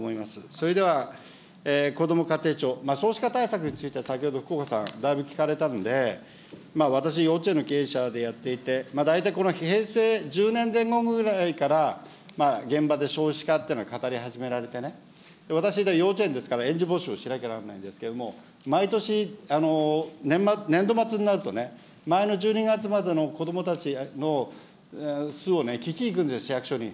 それでは、こども家庭庁、少子化対策について、先ほど、福岡さん、だいぶ聞かれたんで、私、幼稚園の経営者でやっていて、大体平成１０年前後ぐらいから現場で少子化っていうのは語り始められて、私、幼稚園ですから、園児募集をしなきゃならないんですけれども、毎年、年度末になるとね、前の１２月までの子どもたちの数を聞きに行くんです、市役所に。